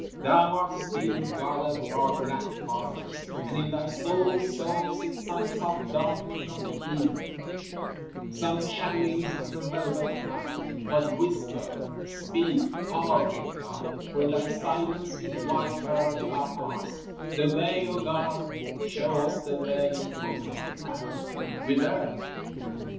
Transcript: Thou art still the God of our black fathers, and in Thy soul's soul sit some soft darkenings of the evening, some shadowings of the velvet night. But whisper speak call, great God, for Thy silence is white terror to our hearts! The way, O God, show us the way and point us the path. Whither?